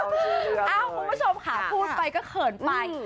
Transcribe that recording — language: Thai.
คุณผู้ชมค่ะพูดไปก็เขินไป